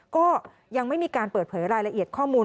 ก็ยังไม่มีการเปิดเผยรายละเอียดข้อมูล